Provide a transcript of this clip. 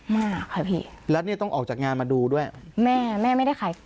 มากค่ะพี่แล้วเนี่ยต้องออกจากงานมาดูด้วยแม่แม่ไม่ได้ขาย